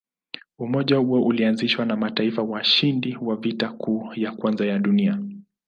Umoja huo ulianzishwa na mataifa washindi wa Vita Kuu ya Kwanza ya Dunia.